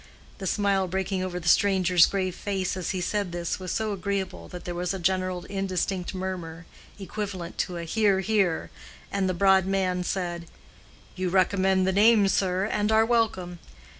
The smile breaking over the stranger's grave face as he said this was so agreeable that there was a general indistinct murmur, equivalent to a "Hear, hear," and the broad man said, "You recommend the name, sir, and are welcome.